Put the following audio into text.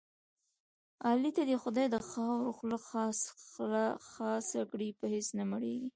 علي ته دې خدای د خاورو خوله خاصه کړي په هېڅ نه مړېږي.